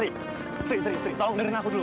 sri sri sri tolong dengerin aku dulu